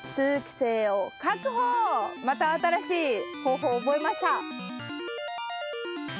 また新しい方法を覚えました。